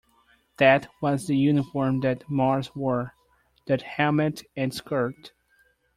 That was the uniform that Mars wore - that helmet and skirt.